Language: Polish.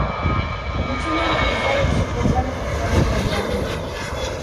Musimy również zająć się problemem odpadów radioaktywnych